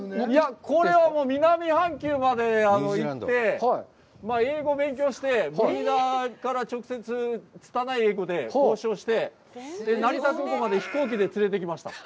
これは南半球まで行って、英語を勉強して、ブリーダーから直接、拙い英語で交渉をして、成田空港まで飛行機で連れてきました。